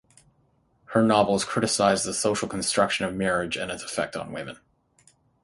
Her novels criticized the social construction of marriage and its effects on women.